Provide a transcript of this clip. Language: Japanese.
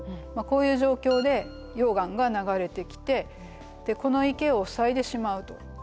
こういう状況で溶岩が流れてきてこの池を塞いでしまうと。